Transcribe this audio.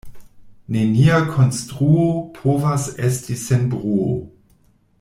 Nenia konstruo povas esti sen bruo.